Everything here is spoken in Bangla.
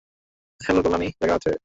উঠো, সিম্বা!